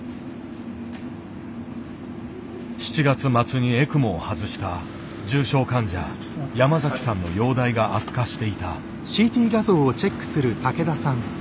７月末にエクモを外した重症患者山崎さんの容体が悪化していた。